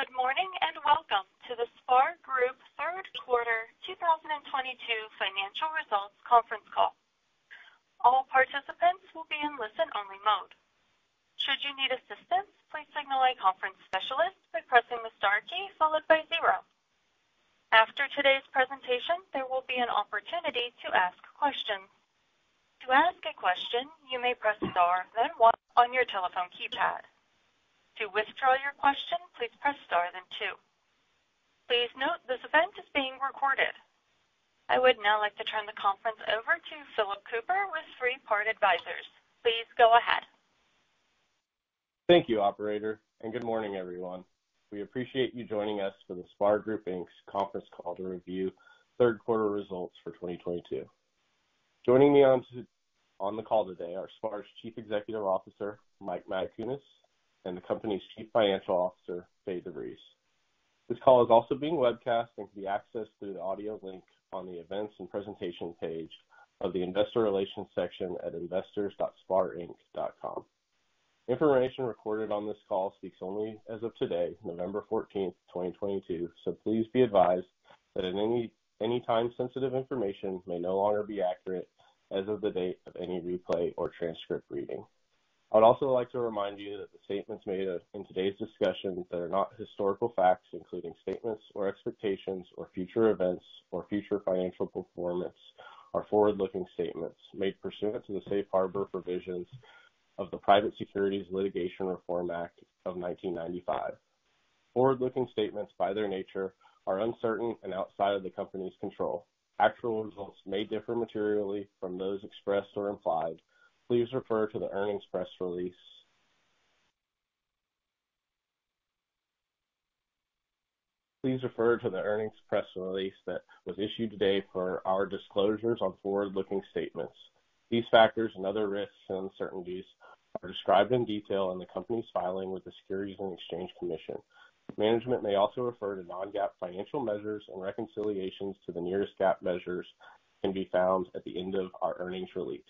Good morning, and welcome to the SPAR Group third quarter 2022 financial results conference call. All participants will be in listen-only mode. Should you need assistance, please signal a conference specialist by pressing the star key followed by zero. After today's presentation, there will be an opportunity to ask questions. To ask a question, you may press star, then one on your telephone keypad. To withdraw your question, please press star then two. Please note this event is being recorded. I would now like to turn the conference over to Phillip Kupper with Three Part Advisors. Please go ahead. Thank you, operator, and good morning, everyone. We appreciate you joining us for the SPAR Group, Inc's conference call to review third quarter results for 2022. Joining me on the call today are SPAR's Chief Executive Officer, Mike Matacunas, and the company's Chief Financial Officer, Fay DeVriese. This call is also being webcast and can be accessed through the audio link on the Events and Presentation page of the investor relations section at investors.sparinc.com. Information recorded on this call speaks only as of today, November fourteenth, 2022, so please be advised that any time-sensitive information may no longer be accurate as of the date of any replay or transcript reading. I would also like to remind you that the statements made in today's discussion that are not historical facts, including statements or expectations or future events or future financial performance, are forward-looking statements made pursuant to the safe harbor provisions of the Private Securities Litigation Reform Act of 1995. Forward-looking statements, by their nature, are uncertain and outside of the company's control. Actual results may differ materially from those expressed or implied. Please refer to the earnings press release. Please refer to the earnings press release that was issued today for our disclosures on forward-looking statements. These factors and other risks and uncertainties are described in detail in the company's filing with the Securities and Exchange Commission. Management may also refer to non-GAAP financial measures, and reconciliations to the nearest GAAP measures can be found at the end of our earnings release.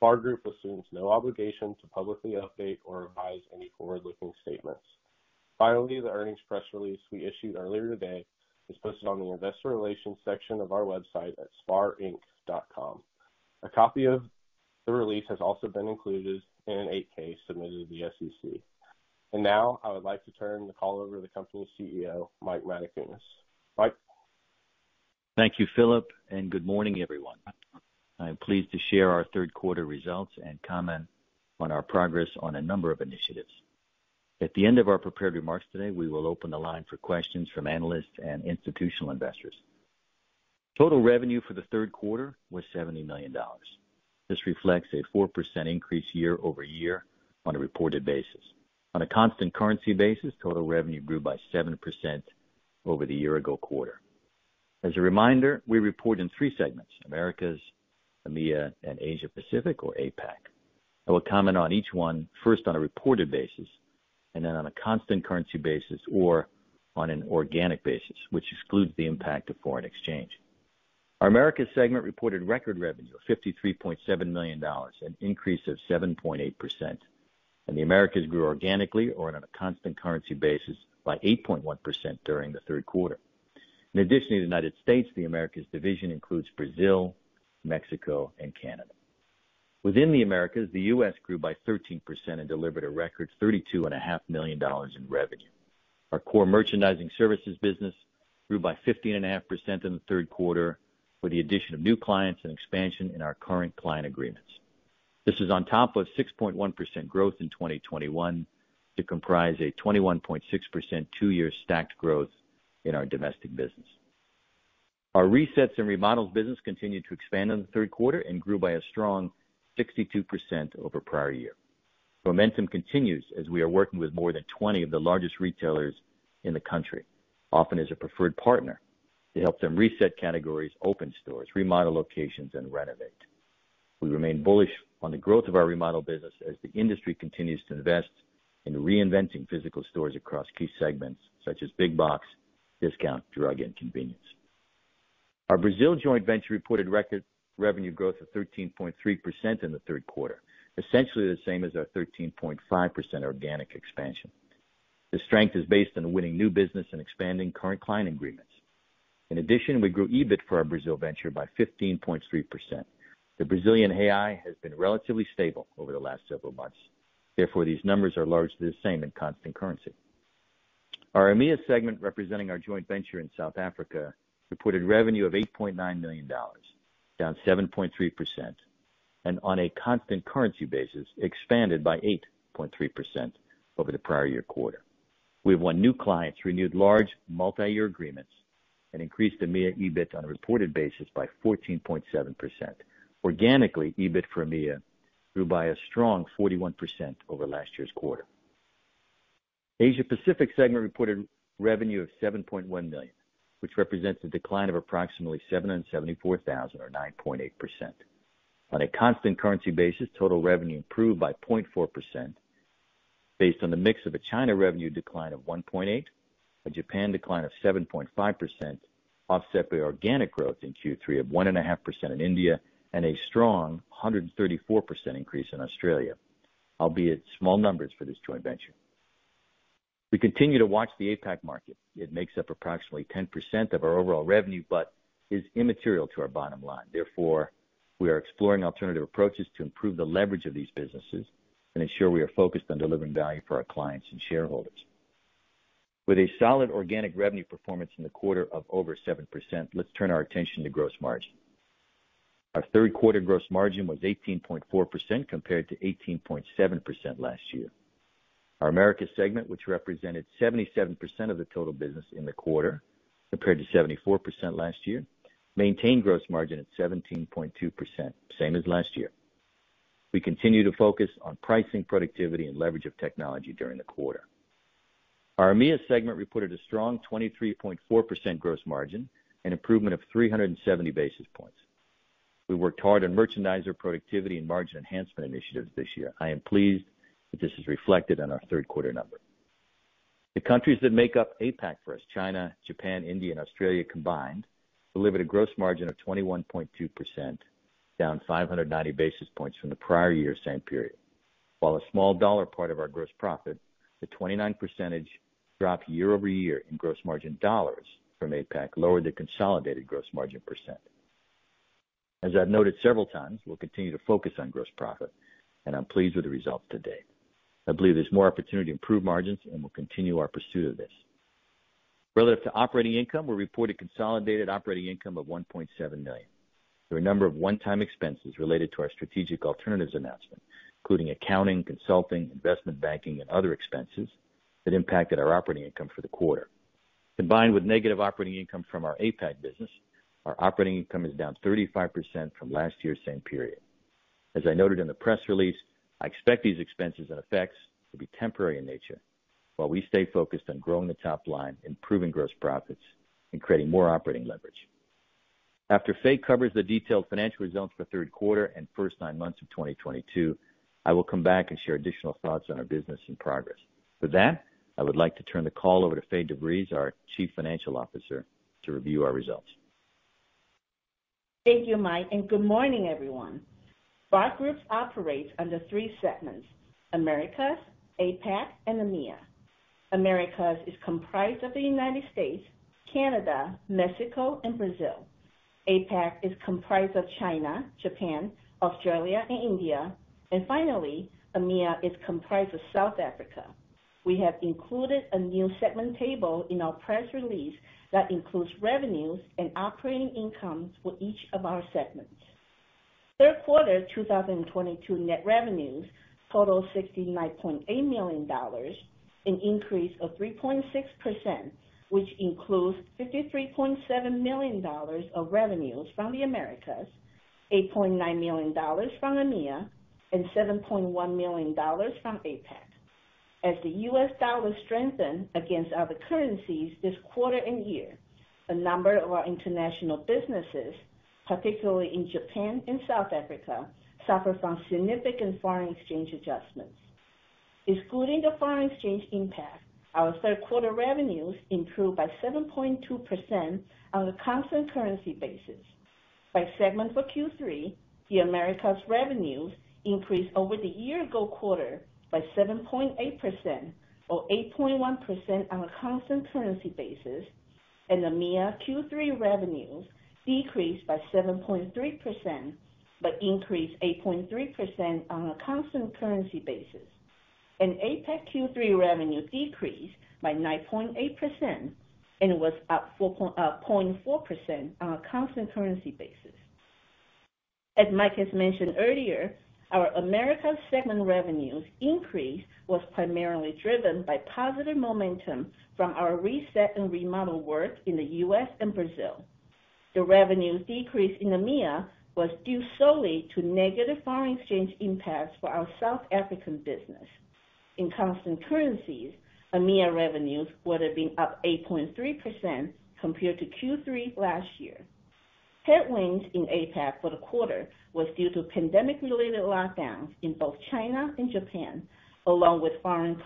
SPAR Group assumes no obligation to publicly update or revise any forward-looking statements. Finally, the earnings press release we issued earlier today is posted on the investor relations section of our website at sparinc.com. A copy of the release has also been included in an 8-K submitted to the SEC. Now I would like to turn the call over to the company's CEO, Mike Matacunas. Mike. Thank you, Phillip, and good morning, everyone. I'm pleased to share our third quarter results and comment on our progress on a number of initiatives. At the end of our prepared remarks today, we will open the line for questions from analysts and institutional investors. Total revenue for the third quarter was $70 million. This reflects a 4% increase year-over-year on a reported basis. On a constant currency basis, total revenue grew by 7% over the year ago quarter. As a reminder, we report in three segments, Americas, EMEA, and Asia Pacific or APAC. I will comment on each one, first on a reported basis and then on a constant currency basis or on an organic basis, which excludes the impact of foreign exchange. Our Americas segment reported record revenue of $53.7 million, an increase of 7.8%. The Americas grew organically or on a constant currency basis by 8.1% during the third quarter. In addition to the United States, the Americas division includes Brazil, Mexico, and Canada. Within the Americas, the U.S. grew by 13% and delivered a record $32.5 million in revenue. Our core merchandising services business grew by 15.5% in the third quarter with the addition of new clients and expansion in our current client agreements. This is on top of 6.1% growth in 2021 to comprise a 21.6% two-year stacked growth in our domestic business. Our resets and remodels business continued to expand in the third quarter and grew by a strong 62% over prior year. Momentum continues as we are working with more than 20 of the largest retailers in the country, often as a preferred partner, to help them reset categories, open stores, remodel locations and renovate. We remain bullish on the growth of our remodel business as the industry continues to invest in reinventing physical stores across key segments such as big box, discount, drug, and convenience. Our Brazil joint venture reported record revenue growth of 13.3% in the third quarter, essentially the same as our 13.5% organic expansion. The strength is based on winning new business and expanding current client agreements. In addition, we grew EBIT for our Brazil venture by 15.3%. The Brazilian real has been relatively stable over the last several months. Therefore, these numbers are largely the same in constant currency. Our EMEA segment, representing our joint venture in South Africa, reported revenue of $8.9 million, down 7.3%, and on a constant currency basis, expanded by 8.3% over the prior year quarter. We have won new clients, renewed large multi-year agreements, and increased EMEA EBIT on a reported basis by 14.7%. Organically, EBIT for EMEA grew by a strong 41% over last year's quarter. Asia Pacific segment reported revenue of $7.1 million, which represents a decline of approximately $774,000 or 9.8%. On a constant currency basis, total revenue improved by 0.4% based on the mix of a China revenue decline of 1.8%, a Japan decline of 7.5% offset by organic growth in Q3 of 1.5% in India and a strong 134% increase in Australia, albeit small numbers for this joint venture. We continue to watch the APAC market. It makes up approximately 10% of our overall revenue, but is immaterial to our bottom line. Therefore, we are exploring alternative approaches to improve the leverage of these businesses and ensure we are focused on delivering value for our clients and shareholders. With a solid organic revenue performance in the quarter of over 7%, let's turn our attention to gross margin. Our third quarter gross margin was 18.4% compared to 18.7% last year. Our Americas segment, which represented 77% of the total business in the quarter, compared to 74% last year, maintained gross margin at 17.2%, same as last year. We continue to focus on pricing, productivity, and leverage of technology during the quarter. Our EMEA segment reported a strong 23.4% gross margin, an improvement of 370 basis points. We worked hard on merchandiser productivity and margin enhancement initiatives this year. I am pleased that this is reflected in our third quarter number. The countries that make up APAC for us, China, Japan, India, and Australia combined, delivered a gross margin of 21.2%, down 590 basis points from the prior year same period. While a small dollar part of our gross profit, the 29% drop year-over-year in gross margin dollars from APAC lowered the consolidated gross margin percent. As I've noted several times, we'll continue to focus on gross profit, and I'm pleased with the result to date. I believe there's more opportunity to improve margins, and we'll continue our pursuit of this. Relative to operating income, we reported consolidated operating income of $1.7 million. There were a number of one-time expenses related to our strategic alternatives announcement, including accounting, consulting, investment banking, and other expenses that impacted our operating income for the quarter. Combined with negative operating income from our APAC business, our operating income is down 35% from last year's same period. As I noted in the press release, I expect these expenses and effects to be temporary in nature while we stay focused on growing the top line, improving gross profits, and creating more operating leverage. After Fay covers the detailed financial results for third quarter and first nine months of 2022, I will come back and share additional thoughts on our business in progress. For that, I would like to turn the call over to Fay DeVriese, our Chief Financial Officer, to review our results. Thank you, Mike, and good morning, everyone. SPAR Group operates under three segments, Americas, APAC, and EMEA. Americas is comprised of the United States, Canada, Mexico, and Brazil. APAC is comprised of China, Japan, Australia, and India. Finally, EMEA is comprised of South Africa. We have included a new segment table in our press release that includes revenues and operating income for each of our segments. Third quarter 2022 net revenues totaled $69.8 million, an increase of 3.6%, which includes $53.7 million of revenues from the Americas, $8.9 million from EMEA, and $7.1 million from APAC. As the U.S. dollar strengthened against other currencies this quarter and year, a number of our international businesses, particularly in Japan and South Africa, suffered from significant foreign exchange adjustments. Excluding the foreign exchange impact, our third quarter revenues improved by 7.2% on a constant currency basis. By segment for Q3, the Americas revenues increased over the year ago quarter by 7.8% or 8.1% on a constant currency basis, and EMEA Q3 revenues decreased by 7.3% but increased 8.3% on a constant currency basis. APAC Q3 revenue decreased by 9.8% and was up 4.4% on a constant currency basis. As Mike has mentioned earlier, our Americas segment revenues increase was primarily driven by positive momentum from our reset and remodel work in the U.S. and Brazil. The revenue decrease in EMEA was due solely to negative foreign exchange impacts for our South African business. In constant currencies, EMEA revenues would have been up 8.3% compared to Q3 last year. Headwinds in APAC for the quarter was due to pandemic-related lockdowns in both China and Japan, along with foreign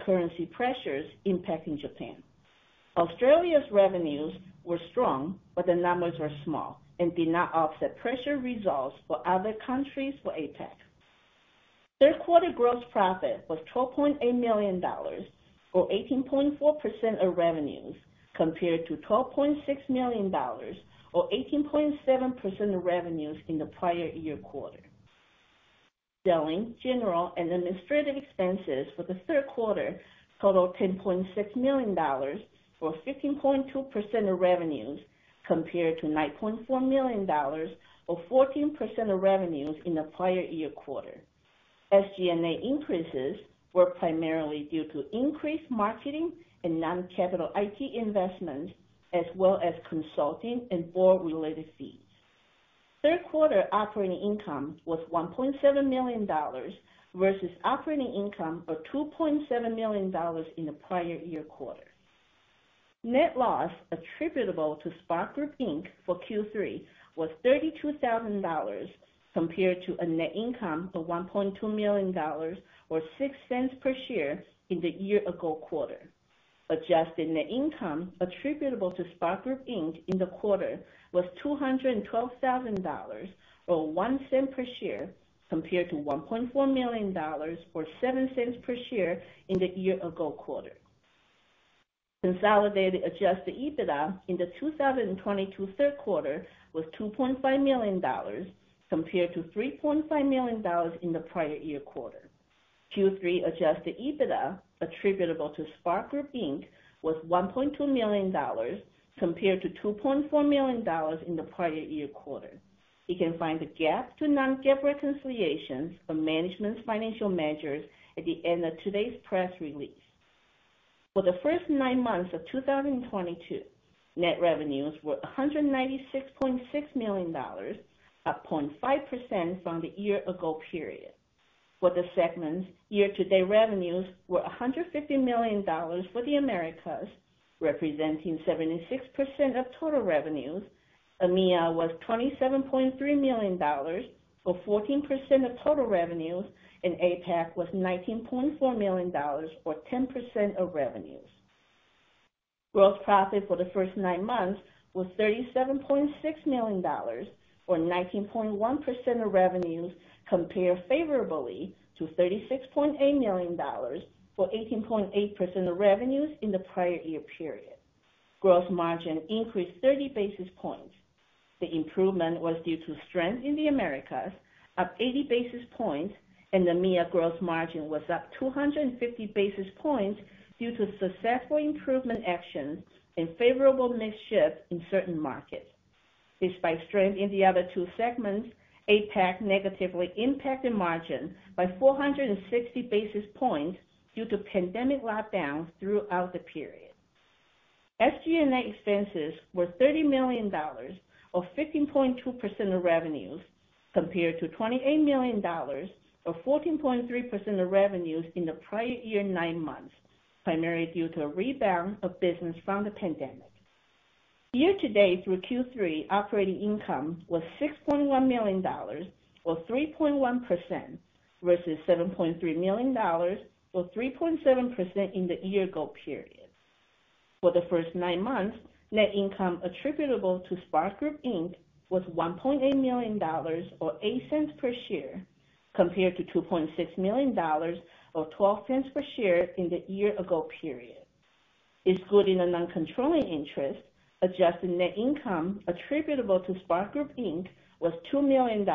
currency pressures impacting Japan. Australia's revenues were strong, but the numbers were small and did not offset pressure results for other countries for APAC. Third quarter gross profit was $12.8 million or 18.4% of revenues, compared to $12.6 million or 18.7% of revenues in the prior year quarter. Selling, general, and administrative expenses for the third quarter totaled $10.6 million, or 15.2% of revenues, compared to $9.4 million or 14% of revenues in the prior year quarter. SG&A increases were primarily due to increased marketing and non-capital IT investment, as well as consulting and board-related fees. Third quarter operating income was $1.7 million versus operating income of $2.7 million in the prior year quarter. Net loss attributable to SPAR Group, Inc for Q3 was $32,000 compared to a net income of $1.2 million or $0.06 per share in the year ago quarter. Adjusted net income attributable to SPAR Group, Inc in the quarter was $212,000, or $0.01 per share, compared to $1.4 million or $0.07 per share in the year ago quarter. Consolidated adjusted EBITDA in the 2022 third quarter was $2.5 million compared to $3.5 million in the prior year quarter. Q3 adjusted EBITDA attributable to SPAR Group, Inc was $1.2 million compared to $2.4 million in the prior year quarter. You can find the GAAP to non-GAAP reconciliations for management's financial measures at the end of today's press release. For the first nine months of 2022, net revenues were $196.6 million, up 0.5% from the year ago period. For the segment, year-to-date revenues were $150 million for the Americas, representing 76% of total revenues. EMEA was $27.3 million, for 14% of total revenues, and APAC was $19.4 million, or 10% of revenues. Gross profit for the first nine months was $37.6 million, or 19.1% of revenues, compares favorably to $36.8 million, or 18.8% of revenues in the prior year period. Gross margin increased 30 basis points. The improvement was due to strength in the Americas, up 80 basis points, and EMEA gross margin was up 250 basis points due to successful improvement actions and favorable mix shift in certain markets. Despite strength in the other two segments, APAC negatively impacted margin by 460 basis points due to pandemic lockdowns throughout the period. SG&A expenses were $30 million, or 15.2% of revenues, compared to $28 million, or 14.3% of revenues in the prior year nine months, primarily due to a rebound of business from the pandemic. Year to date through Q3, operating income was $6.1 million or 3.1% versus $7.3 million or 3.7% in the year ago period. For the first nine months, net income attributable to SPAR Group, Inc was $1.8 million or $0.08 per share, compared to $2.6 million or $0.12 per share in the year ago period. Excluding the non-controlling interest, adjusted net income attributable to SPAR Group, Inc was $2 million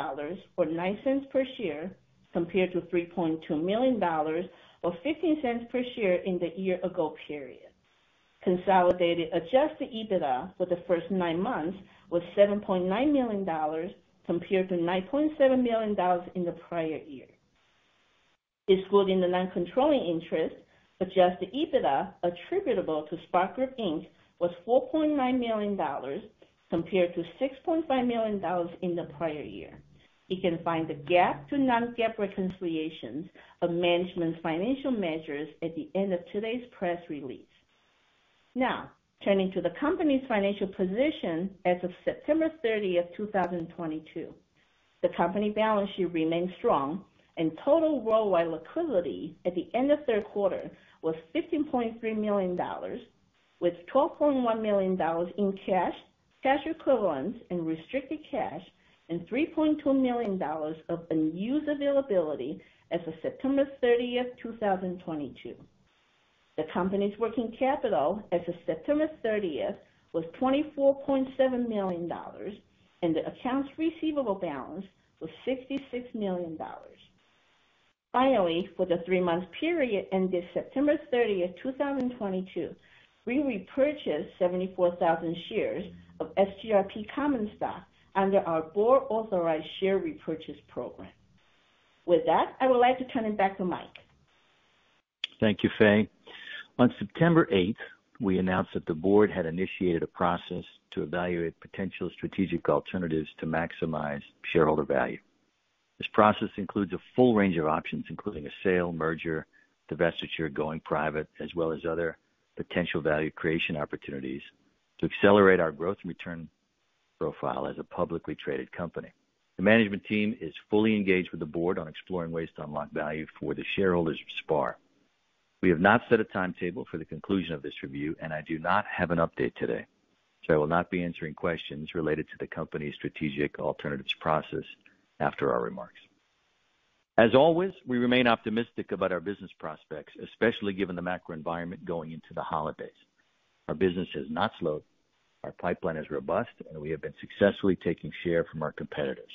or $0.09 per share, compared to $3.2 million or $0.15 per share in the year ago period. Consolidated adjusted EBITDA for the first nine months was $7.9 million, compared to $9.7 million in the prior year. Excluding the non-controlling interest, adjusted EBITDA attributable to SPAR Group, Inc was $4.9 million, compared to $6.5 million in the prior year. You can find the GAAP to non-GAAP reconciliations of management's financial measures at the end of today's press release. Now, turning to the company's financial position as of September 30, 2022. The company balance sheet remains strong and total worldwide liquidity at the end of third quarter was $15.3 million, with $12.1 million in cash equivalents, and restricted cash, and $3.2 million of unused availability as of September 30, 2022. The company's working capital as of September 30 was $24.7 million, and the accounts receivable balance was $66 million. Finally, for the three-month period ended September 30, 2022, we repurchased 74,000 shares of SGRP common stock under our board authorized share repurchase program. With that, I would like to turn it back to Mike. Thank you, Fay. On September eighth, we announced that the board had initiated a process to evaluate potential strategic alternatives to maximize shareholder value. This process includes a full range of options, including a sale, merger, divestiture, going private, as well as other potential value creation opportunities to accelerate our growth and return profile as a publicly traded company. The management team is fully engaged with the board on exploring ways to unlock value for the shareholders of SPAR. We have not set a timetable for the conclusion of this review, and I do not have an update today, so I will not be answering questions related to the company's strategic alternatives process after our remarks. As always, we remain optimistic about our business prospects, especially given the macro environment going into the holidays. Our business has not slowed, our pipeline is robust, and we have been successfully taking share from our competitors.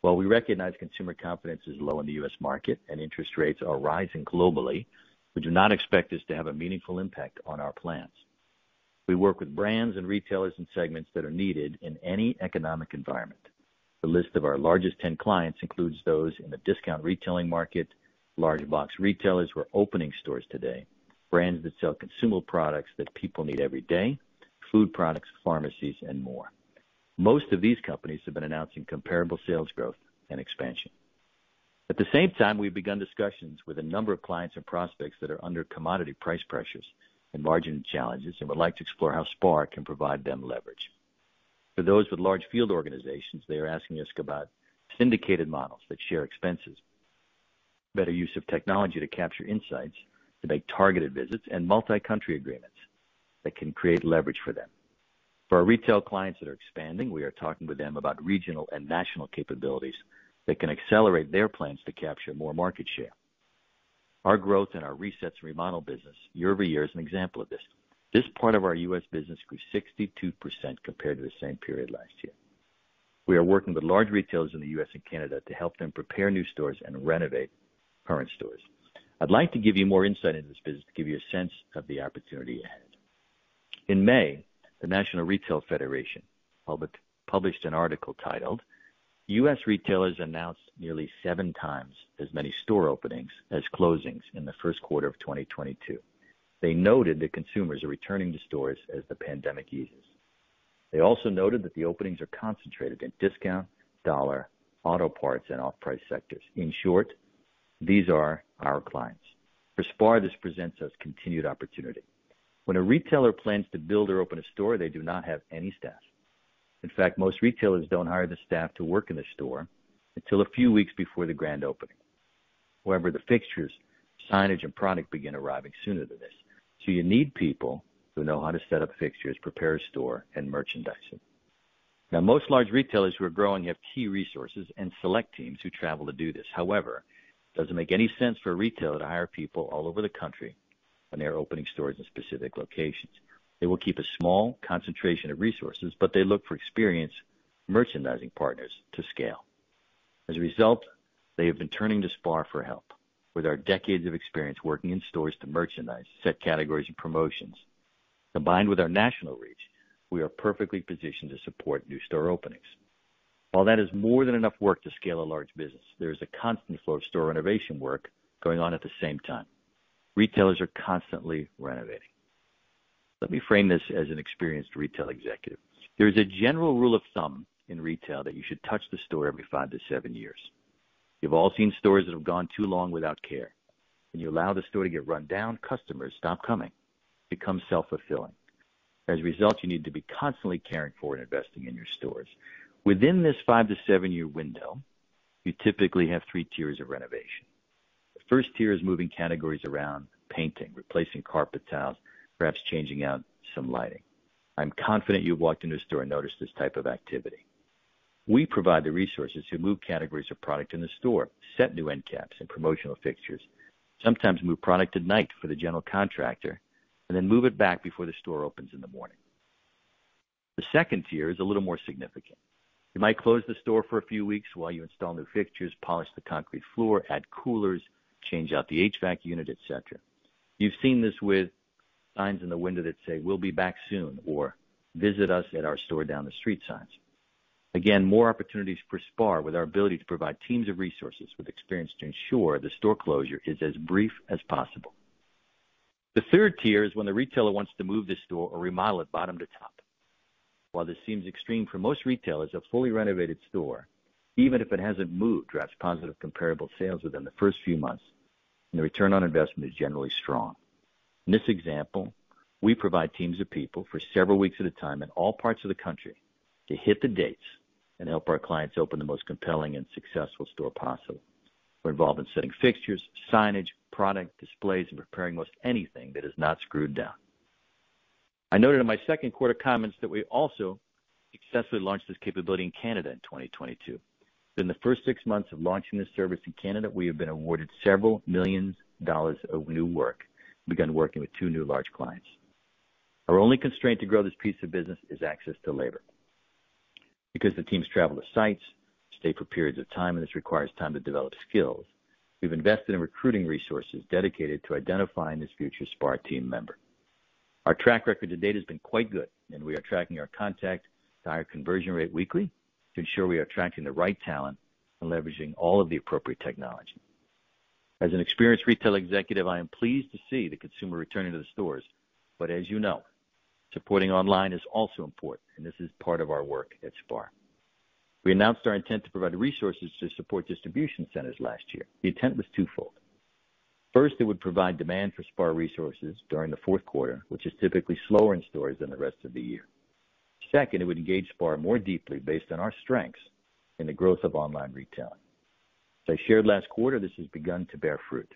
While we recognize consumer confidence is low in the U.S. market and interest rates are rising globally, we do not expect this to have a meaningful impact on our plans. We work with brands and retailers and segments that are needed in any economic environment. The list of our largest ten clients includes those in the discount retailing market, large box retailers who are opening stores today, brands that sell consumable products that people need every day, food products, pharmacies and more. Most of these companies have been announcing comparable sales growth and expansion. At the same time, we've begun discussions with a number of clients and prospects that are under commodity price pressures and margin challenges and would like to explore how SPAR can provide them leverage. For those with large field organizations, they are asking us about syndicated models that share expenses, better use of technology to capture insights to make targeted visits, and multi-country agreements that can create leverage for them. For our retail clients that are expanding, we are talking with them about regional and national capabilities that can accelerate their plans to capture more market share. Our growth in our resets and remodel business year-over-year is an example of this. This part of our U.S. business grew 62% compared to the same period last year. We are working with large retailers in the U.S. and Canada to help them prepare new stores and renovate current stores. I'd like to give you more insight into this business to give you a sense of the opportunity ahead. In May, the National Retail Federation published an article titled U.S. Retailers Announced Nearly 7 Times As Many Store Openings As Closings in the First Quarter of 2022. They noted that consumers are returning to stores as the pandemic eases. They also noted that the openings are concentrated in discount, dollar, auto parts, and off-price sectors. In short, these are our clients. For SPAR, this presents us continued opportunity. When a retailer plans to build or open a store, they do not have any staff. In fact, most retailers don't hire the staff to work in the store until a few weeks before the grand opening. However, the fixtures, signage, and product begin arriving sooner than this. You need people who know how to set up fixtures, prepare a store, and merchandise it. Now, most large retailers who are growing have key resources and select teams who travel to do this. However, it doesn't make any sense for a retailer to hire people all over the country when they are opening stores in specific locations. They will keep a small concentration of resources, but they look for experienced merchandising partners to scale. As a result, they have been turning to SPAR for help. With our decades of experience working in stores to merchandise, set categories and promotions, combined with our national reach, we are perfectly positioned to support new store openings. While that is more than enough work to scale a large business, there is a constant flow of store renovation work going on at the same time. Retailers are constantly renovating. Let me frame this as an experienced retail executive. There is a general rule of thumb in retail that you should touch the store every five to seven years. You've all seen stores that have gone too long without care. When you allow the store to get run down, customers stop coming. It becomes self-fulfilling. As a result, you need to be constantly caring for and investing in your stores. Within this five to seven year window, you typically have three tiers of renovation. The first tier is moving categories around, painting, replacing carpet tiles, perhaps changing out some lighting. I'm confident you've walked into a store and noticed this type of activity. We provide the resources to move categories of product in the store, set new end caps and promotional fixtures, sometimes move product at night for the general contractor, and then move it back before the store opens in the morning. The second tier is a little more significant. You might close the store for a few weeks while you install new fixtures, polish the concrete floor, add coolers, change out the HVAC unit, et cetera. You've seen this with signs in the window that say, "We'll be back soon," or, "Visit us at our store down the street," signs. Again, more opportunities for SPAR with our ability to provide teams of resources with experience to ensure the store closure is as brief as possible. The third tier is when the retailer wants to move the store or remodel it bottom to top. While this seems extreme, for most retailers, a fully renovated store, even if it hasn't moved, drives positive comparable sales within the first few months, and the return on investment is generally strong. In this example, we provide teams of people for several weeks at a time in all parts of the country to hit the dates and help our clients open the most compelling and successful store possible. We're involved in setting fixtures, signage, product displays, and preparing most anything that is not screwed down. I noted in my second quarter comments that we also successfully launched this capability in Canada in 2022. Within the first six months of launching this service in Canada, we have been awarded several million dollars of new work and begun working with two new large clients. Our only constraint to grow this piece of business is access to labor. Because the teams travel to sites, stay for periods of time, and this requires time to develop skills, we've invested in recruiting resources dedicated to identifying this future SPAR team member. Our track record to date has been quite good, and we are tracking our contact to hire conversion rate weekly to ensure we are attracting the right talent and leveraging all of the appropriate technology. As an experienced retail executive, I am pleased to see the consumer returning to the stores. As you know, supporting online is also important, and this is part of our work at SPAR. We announced our intent to provide resources to support distribution centers last year. The intent was twofold. First, it would provide demand for SPAR resources during the fourth quarter, which is typically slower in stores than the rest of the year. Second, it would engage SPAR more deeply based on our strengths in the growth of online retail. As I shared last quarter, this has begun to bear fruit.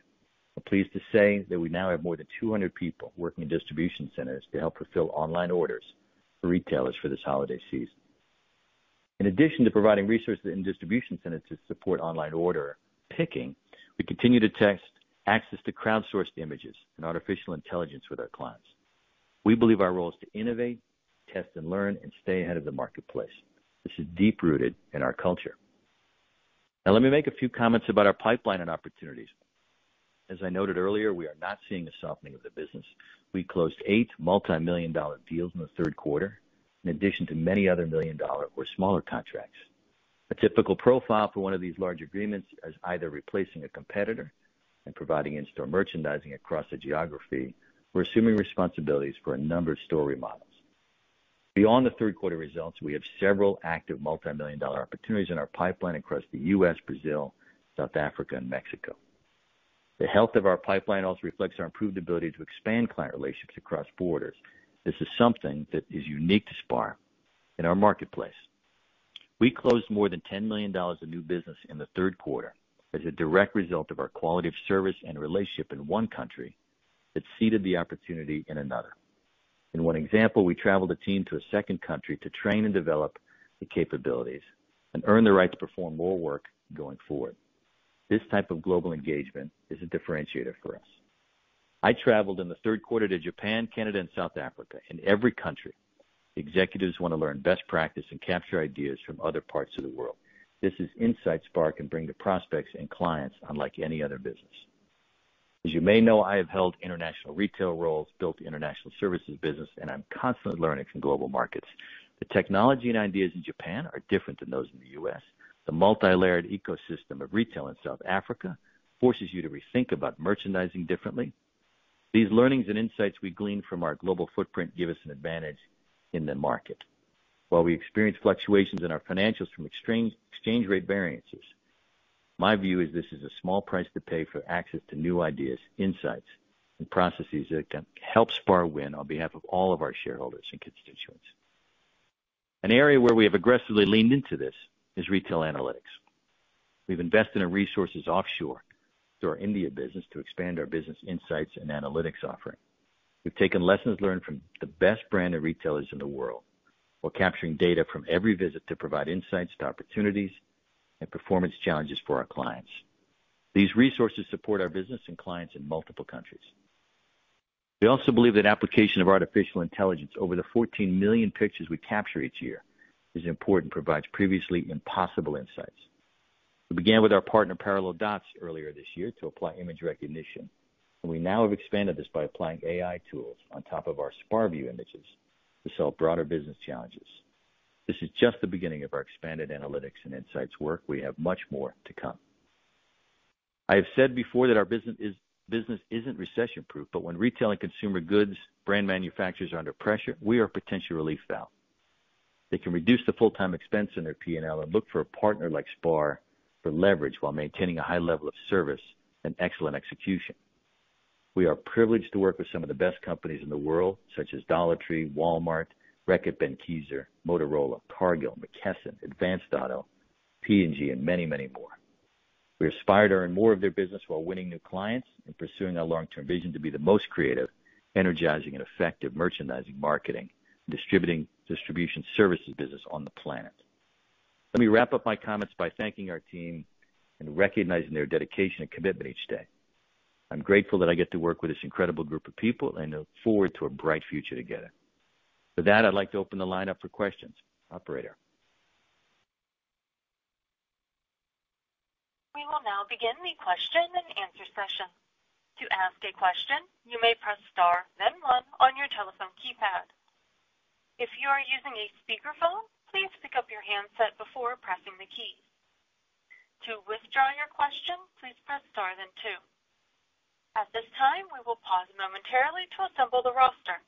I'm pleased to say that we now have more than 200 people working in distribution centers to help fulfill online orders for retailers for this holiday season. In addition to providing resources in distribution centers to support online order picking, we continue to test access to crowdsourced images and artificial intelligence with our clients. We believe our role is to innovate, test, and learn, and stay ahead of the marketplace, which is deep-rooted in our culture. Now, let me make a few comments about our pipeline and opportunities. As I noted earlier, we are not seeing a softening of the business. We closed eight multi-million-dollar deals in the third quarter, in addition to many other million-dollar or smaller contracts. A typical profile for one of these large agreements is either replacing a competitor and providing in-store merchandising across a geography. We're assuming responsibilities for a number of store remodels. Beyond the third quarter results, we have several active multimillion-dollar opportunities in our pipeline across the U.S., Brazil, South Africa and Mexico. The health of our pipeline also reflects our improved ability to expand client relationships across borders. This is something that is unique to SPAR in our marketplace. We closed more than $10 million of new business in the third quarter as a direct result of our quality of service and relationship in one country that seeded the opportunity in another. In one example, we traveled a team to a second country to train and develop the capabilities and earn the right to perform more work going forward. This type of global engagement is a differentiator for us. I traveled in the third quarter to Japan, Canada and South Africa. In every country, executives want to learn best practice and capture ideas from other parts of the world. This is insight SPAR can bring to prospects and clients unlike any other business. As you may know, I have held international retail roles, built the international services business, and I'm constantly learning from global markets. The technology and ideas in Japan are different than those in the U.S. The multilayered ecosystem of retail in South Africa forces you to rethink about merchandising differently. These learnings and insights we glean from our global footprint give us an advantage in the market. While we experience fluctuations in our financials from exchange rate variances, my view is this is a small price to pay for access to new ideas, insights, and processes that can help SPAR win on behalf of all of our shareholders and constituents. An area where we have aggressively leaned into this is retail analytics. We've invested in resources offshore through our India business to expand our business insights and analytics offering. We've taken lessons learned from the best branded retailers in the world while capturing data from every visit to provide insights to opportunities and performance challenges for our clients. These resources support our business and clients in multiple countries. We also believe that application of artificial intelligence over the 14 million pictures we capture each year is important, provides previously impossible insights. We began with our partner, ParallelDots, earlier this year to apply image recognition, and we now have expanded this by applying AI tools on top of our SPARview images to solve broader business challenges. This is just the beginning of our expanded analytics and insights work. We have much more to come. I have said before that our business isn't recession proof, but when retail and consumer goods brand manufacturers are under pressure, we are a potential relief valve. They can reduce the full-time expense in their P&L and look for a partner like SPAR for leverage while maintaining a high level of service and excellent execution. We are privileged to work with some of the best companies in the world, such as Dollar Tree, Walmart, Reckitt Benckiser, Motorola, Cargill, McKesson, Advance Auto, P&G and many, many more. We aspire to earn more of their business while winning new clients and pursuing our long-term vision to be the most creative, energizing and effective merchandising, marketing, distribution services business on the planet. Let me wrap up my comments by thanking our team and recognizing their dedication and commitment each day. I'm grateful that I get to work with this incredible group of people and look forward to a bright future together. For that, I'd like to open the line up for questions. Operator? We will now begin the question and answer session. To ask a question, you may press star then one on your telephone keypad. If you are using a speakerphone, please pick up your handset before pressing the key. To withdraw your question, please press star then two. At this time, we will pause momentarily to assemble the roster.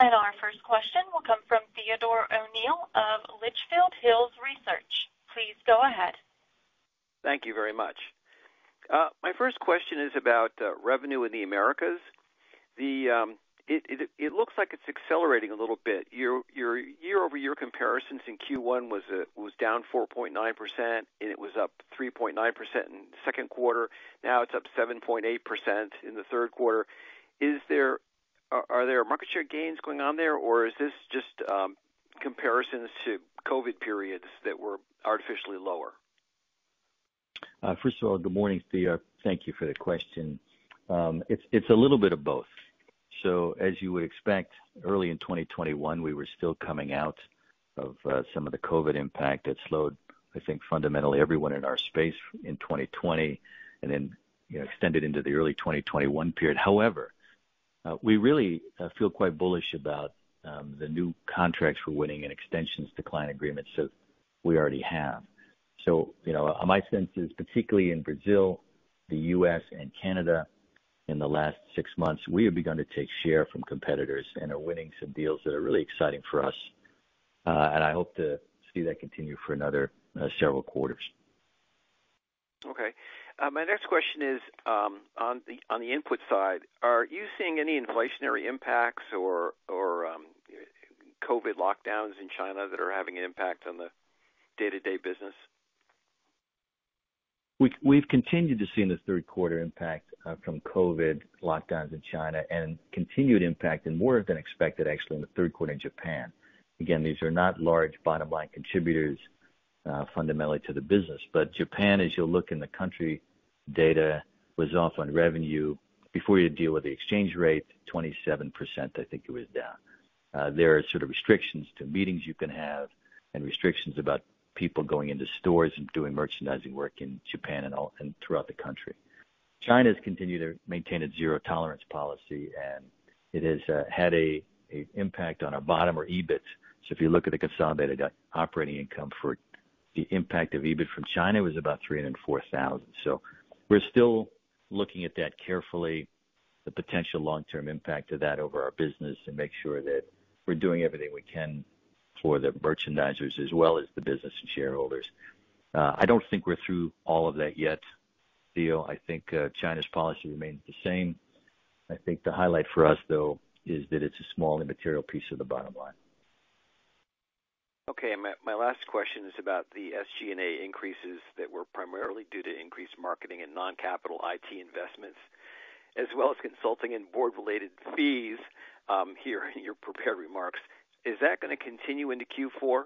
Our first question will come from Theodore O'Neill of Litchfield Hills Research. Please go ahead. Thank you very much. My first question is about revenue in the Americas. It looks like it's accelerating a little bit. Your year-over-year comparisons in Q1 was down 4.9%, and it was up 3.9% in the second quarter. Now it's up 7.8% in the third quarter. Are there market share gains going on there, or is this just comparisons to COVID periods that were artificially lower? First of all, good morning, Theodore. Thank you for the question. It's a little bit of both. As you would expect, early in 2021, we were still coming out of some of the COVID impact that slowed, I think, fundamentally everyone in our space in 2020 and then, you know, extended into the early 2021 period. However, we really feel quite bullish about the new contracts we're winning and extensions to client agreements that we already have. You know, my sense is particularly in Brazil, the U.S. and Canada in the last six months, we have begun to take share from competitors and are winning some deals that are really exciting for us. I hope to see that continue for another several quarters. Okay. My next question is on the input side, are you seeing any inflationary impacts or COVID lockdowns in China that are having an impact on the day-to-day business? We've continued to see in the third quarter impact from COVID lockdowns in China and continued impact and more than expected, actually, in the third quarter in Japan. Again, these are not large bottom line contributors, fundamentally to the business. Japan, as you'll look in the country data, was off on revenue before you deal with the exchange rate, 27%, I think it was down. There are sort of restrictions to meetings you can have and restrictions about people going into stores and doing merchandising work in Japan and throughout the country. China has continued to maintain a zero-tolerance policy, and it has had an impact on our bottom line or EBITs. If you look at the consolidated operating income, the impact on EBIT from China was about $304,000. We're still looking at that carefully, the potential long-term impact of that over our business and make sure that we're doing everything we can for the merchandisers as well as the business and shareholders. I don't think we're through all of that yet, Theo. I think, China's policy remains the same. I think the highlight for us though is that it's a small immaterial piece of the bottom line. Okay. My last question is about the SG&A increases that were primarily due to increased marketing and non-capital IT investments, as well as consulting and board-related fees, here in your prepared remarks. Is that gonna continue into Q4?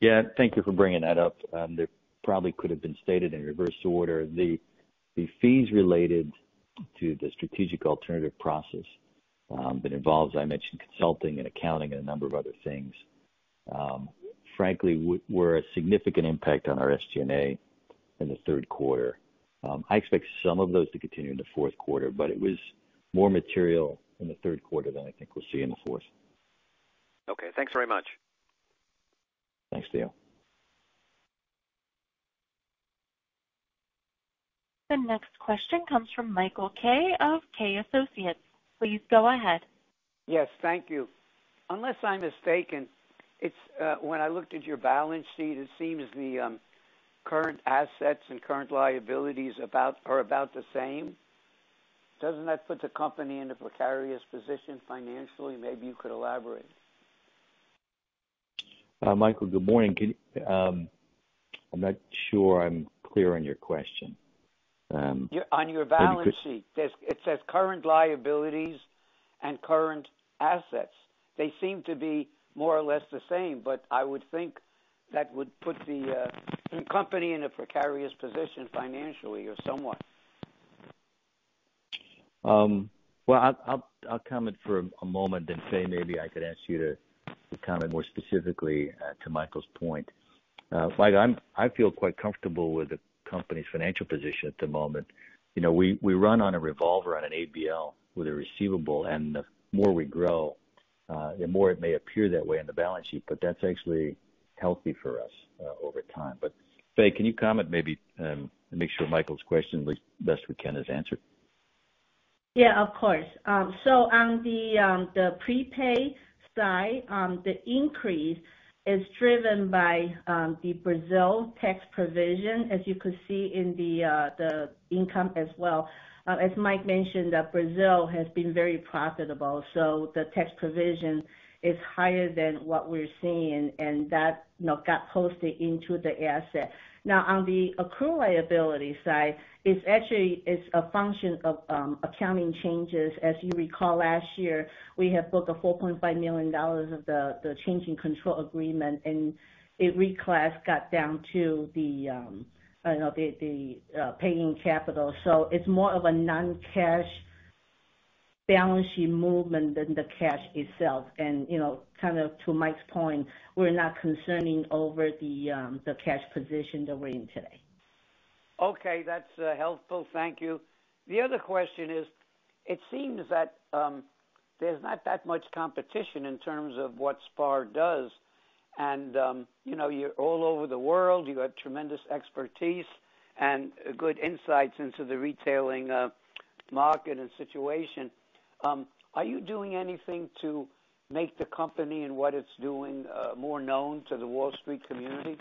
Yeah, thank you for bringing that up. That probably could have been stated in reverse order. The fees related to the strategic alternative process that involves, I mentioned consulting and accounting and a number of other things, frankly were a significant impact on our SG&A in the third quarter. I expect some of those to continue in the fourth quarter, but it was more material in the third quarter than I think we'll see in the fourth. Okay, thanks very much. Thanks, Theo. The next question comes from Michael Kay of Kay Associates. Please go ahead. Yes, thank you. Unless I'm mistaken, it's when I looked at your balance sheet, it seems the current assets and current liabilities are about the same. Doesn't that put the company in a precarious position financially? Maybe you could elaborate. Michael, good morning. I'm not sure I'm clear on your question. On your balance sheet, it says current liabilities and current assets. They seem to be more or less the same, but I would think that would put the company in a precarious position financially or somewhat. Well, I'll comment for a moment, then Fay maybe I could ask you to comment more specifically to Michael's point. Mike, I feel quite comfortable with the company's financial position at the moment. You know, we run on a revolver on an ABL with a receivable, and the more we grow, the more it may appear that way in the balance sheet, but that's actually healthy for us over time. Fay, can you comment maybe, and make sure Michael's question the best we can is answered. Yeah, of course. So on the prepaid side, the increase is driven by the Brazil tax provision, as you could see in the income as well. As Mike mentioned, Brazil has been very profitable, so the tax provision is higher than what we're seeing, and that, you know, got posted into the asset. Now, on the accrual liability side, it's actually a function of accounting changes. As you recall, last year, we have booked $4.5 million of the change in control agreement, and it reclassed, got down to the paid-in capital. So it's more of a non-cash balance sheet movement than the cash itself. You know, kind of to Mike's point, we're not concerned over the cash position that we're in today. Okay. That's helpful. Thank you. The other question is, it seems that, there's not that much competition in terms of what SPAR does. You know, you're all over the world, you have tremendous expertise and good insights into the retailing, market and situation. Are you doing anything to make the company and what it's doing, more known to the Wall Street community?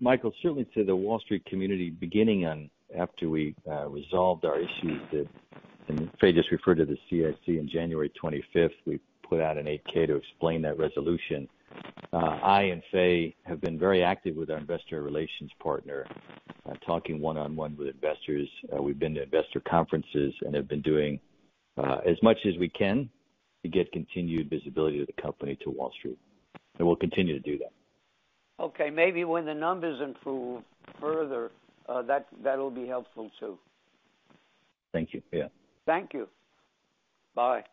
Michael, certainly to the Wall Street community, beginning after we resolved our issues, and Fay just referred to the CIC in January 25, we put out an 8-K to explain that resolution. I and Fay have been very active with our investor relations partner on talking one-on-one with investors. We've been to investor conferences and have been doing as much as we can to get continued visibility of the company to Wall Street. We'll continue to do that. Okay. Maybe when the numbers improve further, that'll be helpful too. Thank you. Yeah. Thank you. Bye.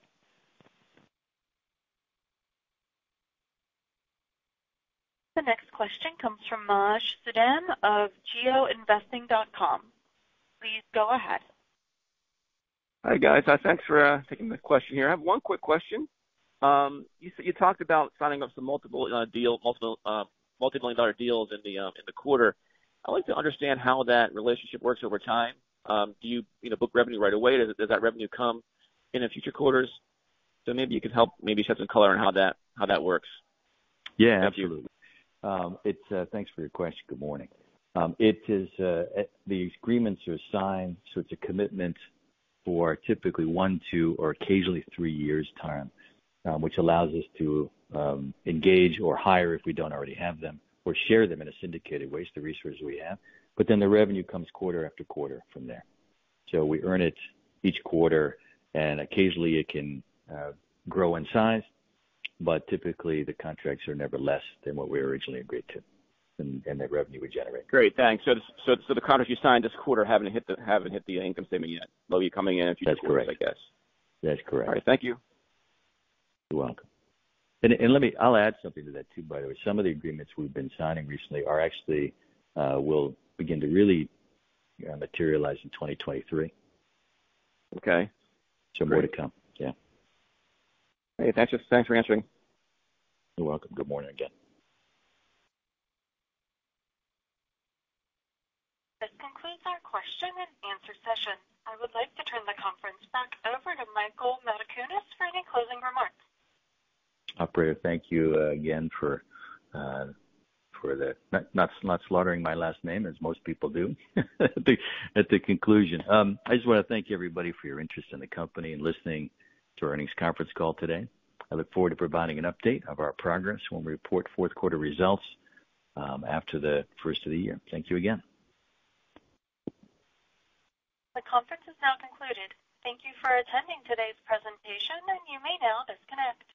The next question comes from Maj Soueidan of GeoInvesting.com. Please go ahead. Hi, guys. Thanks for taking the question here. I have one quick question. You talked about signing up some multiple multimillion dollar deals in the quarter. I'd like to understand how that relationship works over time. Do you know, book revenue right away? Does that revenue come in the future quarters? Maybe you could help shed some color on how that works. Yeah, absolutely. Thanks for your question. Good morning. The agreements are signed, so it's a commitment for typically one, two, or occasionally three years' time, which allows us to engage or hire if we don't already have them or share them in a syndicated way. It's the resource we have. The revenue comes quarter after quarter from there. We earn it each quarter, and occasionally it can grow in size. Typically, the contracts are never less than what we originally agreed to and that revenue we generate. Great. Thanks. The contracts you signed this quarter haven't hit the income statement yet. They'll be coming in a few quarters, I guess. That's correct. All right. Thank you. You're welcome. Let me, I'll add something to that too, by the way. Some of the agreements we've been signing recently will begin to really materialize in 2023. Okay. More to come. Yeah. Hey, thanks. Just thanks for answering. You're welcome. Good morning again. This concludes our question and answer session. I would like to turn the conference back over to Mike Matacunas for any closing remarks. Operator, thank you again for not slaughtering my last name as most people do, at the conclusion. I just wanna thank everybody for your interest in the company and listening to our earnings conference call today. I look forward to providing an update of our progress when we report fourth quarter results after the first of the year. Thank you again. The conference is now concluded. Thank you for attending today's presentation, and you may now disconnect.